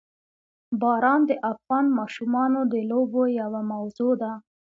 باران د افغان ماشومانو د لوبو یوه موضوع ده.